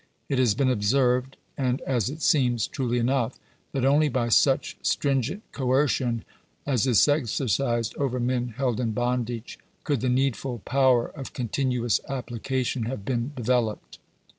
It has been observed — and, as it seems, truly enough — that only by such stringent coercion as is exercised over men held in bondage, could the needful power of continuous application have been developed.